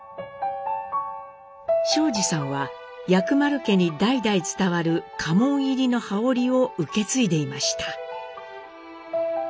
省二さんは薬丸家に代々伝わる家紋入りの羽織を受け継いでいました。